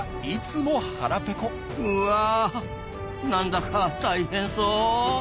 うわなんだか大変そう。